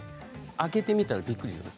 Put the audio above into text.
開けてみたらびっくりします。